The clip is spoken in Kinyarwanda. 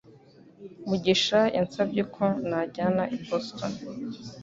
mugisha yansabye ko najyana i Boston.